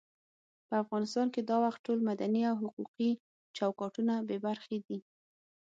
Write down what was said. په افغانستان کې دا وخت ټول مدني او حقوقي چوکاټونه بې برخې دي.